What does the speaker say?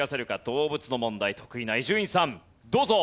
動物の問題得意な伊集院さんどうぞ。